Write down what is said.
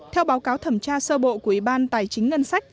theo báo cáo thẩm tra sơ bộ của ủy ban tài chính ngân sách